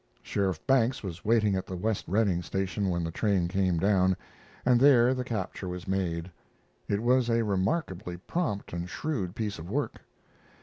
Sheriff Banks was waiting at the West Redding station when the train came down, and there the capture was made. It was a remarkably prompt and shrewd piece of work.